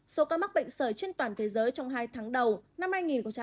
số ca mắc bệnh sời trên toàn thế giới trong hai tháng đầu năm hai nghìn hai mươi hai